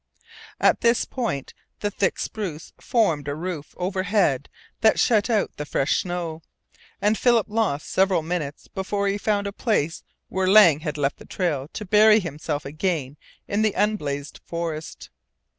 At this point the thick spruce formed a roof over head that had shut out the fresh snow, and Philip lost several minutes before he found the place where Lang had left the trail to bury himself again in the unblazed forest.